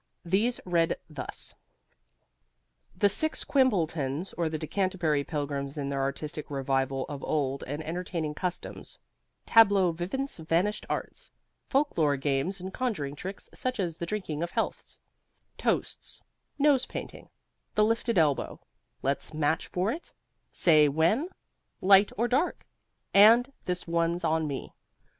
These read thus: THE SIX QUIMBLETONS or The Decanterbury Pilgrims In Their Artistic Revival Of Old and Entertaining Customs, Tableaux Vivants Vanished Arts, Folklore Games and Conjuring Tricks Such as The Drinking of Healths, Toasts, Nosepainting, The Lifted Elbow, Let's Match For It, Say When, Light or Dark? and This One's On Me.